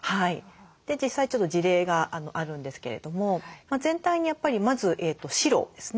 実際ちょっと事例があるんですけれども全体にやっぱりまず白ですね。